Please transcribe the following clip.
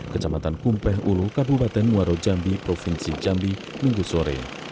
kecamatan kumpeh ulu kabupaten muaro jambi provinsi jambi minggu sore